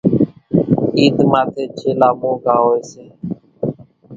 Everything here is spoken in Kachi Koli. عيڌ ماٿيَ ڇيلا مونگھا هوئيَ سي۔